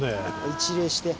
一礼して。